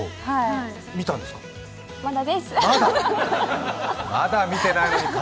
見たんですか？